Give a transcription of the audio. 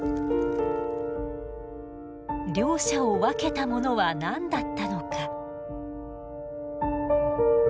両者を分けたものは何だったのか？